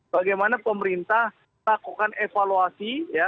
bagaimana pemerintah lakukan evaluasi